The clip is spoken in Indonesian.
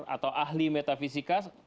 atau ahli metafisika